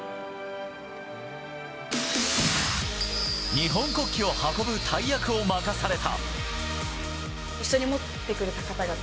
日本国旗を運ぶ大役を任された。